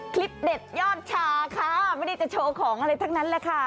คลิปเด็ดยอดชาค่ะไม่ได้จะโชว์ของอะไรทั้งนั้นแหละค่ะ